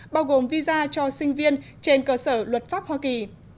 bao gồm visa cho sinh viên trên cơ sở luật pháp hoa kỳ